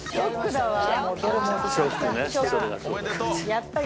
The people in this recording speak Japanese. やっぱり。